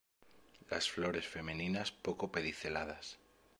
Las flores femeninas poco pediceladas.